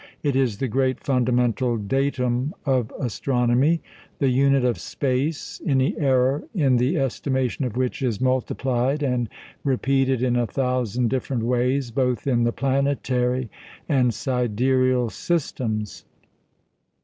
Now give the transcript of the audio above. It is the great fundamental datum of astronomy the unit of space, any error in the estimation of which is multiplied and repeated in a thousand different ways, both in the planetary and sidereal systems.